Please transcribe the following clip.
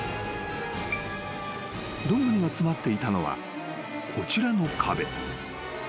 ［ドングリが詰まっていたのはこちらの壁］